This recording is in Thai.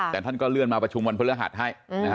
แต่ท่านก็เลื่อนมาประชุมวันพฤหัสให้